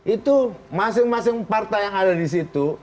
itu masing masing partai yang ada di situ